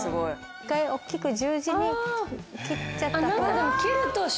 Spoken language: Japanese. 一回大っきく十字に切っちゃったほうが。